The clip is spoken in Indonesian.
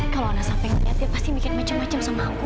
kalau anak sampai atlet dia pasti bikin macam macam sama aku